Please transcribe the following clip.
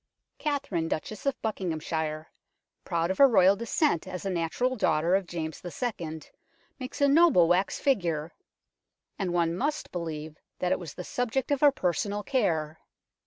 Catherine Duchess of Buckinghamshire, proud of her Royal descent as a natural daughter of James II., makes a notable wax figure, and one WAXWORKS IN THE ABBEY 199 must believe that it was the subject of her personal care.